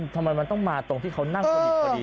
ทำไมมันต้องมาตรงที่เขานั่งพอดิบพอดี